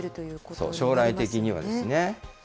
そう、将来的にはですね。